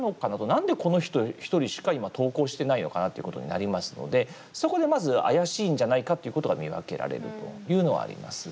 なんで、この人１人しか今、投稿してないのかなっていうことになりますのでそこでまず怪しいんじゃないかということが見分けられるというのはあります。